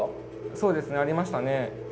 そうですね、ありましたね。